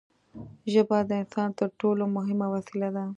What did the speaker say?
ژبه د انسان تر ټولو مهمه وسیله ده.